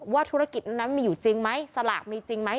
ว่าธุรกิจนั้นมันมีอยู่จริงไหมสลากมันมีอยู่จริงไหม